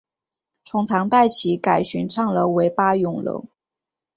从唐代起改玄畅楼为八咏楼。